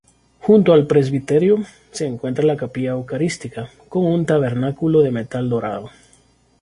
Junto al presbiterio se encuentra la Capilla Eucarística, con un tabernáculo de metal dorado.